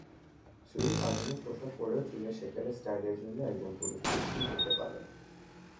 চুলআধুনিক পোশাক পরেও চুলের সেকেলে স্টাইলের জন্য একজন পুরুষ পিছিয়ে যেতে পারেন।